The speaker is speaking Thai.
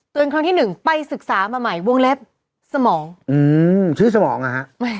ครั้งที่หนึ่งไปศึกษามาใหม่วงเล็บสมองอืมชื่อสมองนะฮะ